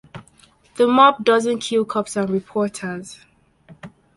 The mob doesn't kill cops and reporters.